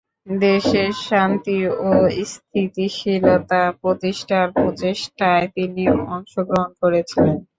দেশে শান্তি ও স্থিতিশীলতা প্রতিষ্ঠার প্রচেষ্টায় তিনি অংশগ্রহণ করেছিলেন।